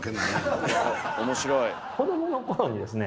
子どもの頃にですね